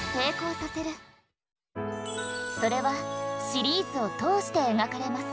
それはシリーズを通して描かれます。